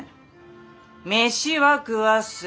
飯は食わす。